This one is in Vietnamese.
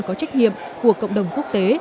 có trách nhiệm của cộng đồng quốc tế